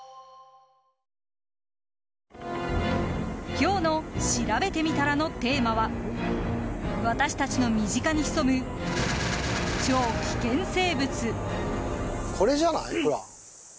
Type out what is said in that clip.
今日のしらべてみたらのテーマは私たちの身近に潜む超危険生物。